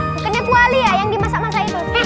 bukannya kuali ya yang dimasak masak itu